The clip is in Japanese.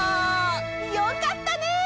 よかったね！